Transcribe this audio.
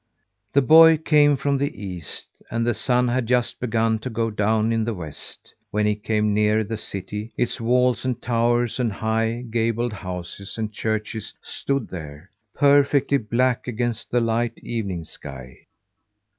The boy came from the east, and the sun had just begun to go down in the west. When he came nearer the city, its walls and towers and high, gabled houses and churches stood there, perfectly black, against the light evening sky.